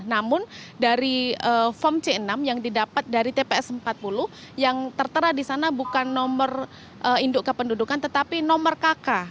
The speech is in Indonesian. namun dari form c enam yang didapat dari tps empat puluh yang tertera di sana bukan nomor induk kependudukan tetapi nomor kk